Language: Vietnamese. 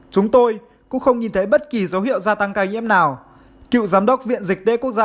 chúng tôi cũng không nhìn thấy bất kỳ dấu hiệu gia tăng ca nhiễm nào cựu giám đốc viện dịch tễ quốc gia